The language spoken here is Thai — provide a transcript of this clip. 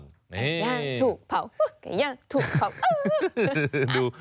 ไก่ย่างถูกเผาไก่ย่างถูกเผา